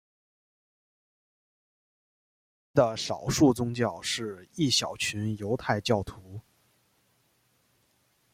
唯一的少数宗教是一小群犹太教徒。